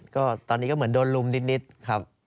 ก็ตอนนี้ก็เหมือนโดนลุมนิดครับ